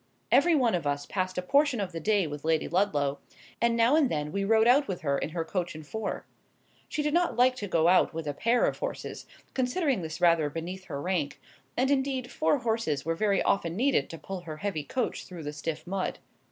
Every one of us passed a portion of the day with Lady Ludlow; and now and then we rode out with her in her coach and four. She did not like to go out with a pair of horses, considering this rather beneath her rank; and, indeed, four horses were very often needed to pull her heavy coach through the stiff mud.